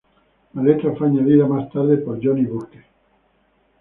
La letra fue añadida más tarde por Johnny Burke.